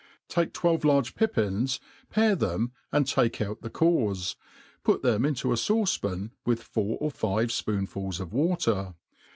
TAKE twelve large pippins, pare them, and take out the cores, put'them into a fauce pan, with four or five fpoonfuls of water.